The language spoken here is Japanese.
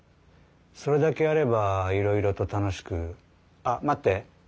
それだけあればいろいろと楽しくあっ待って。